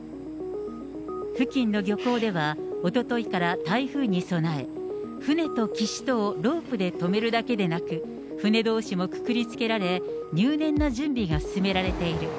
付近の漁港では、おとといから台風に備え、船と岸とをロープで止めるだけでなく、船どうしもくくりつけられ、入念な準備が進められている。